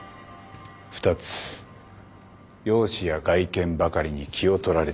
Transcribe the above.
二つ容姿や外見ばかりに気を取られている。